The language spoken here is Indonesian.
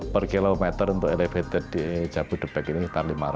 per kilometer untuk elevated di jabodebek ini sekitar lima ratus